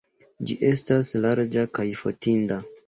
Ĝi estas larĝa kaj fotinda.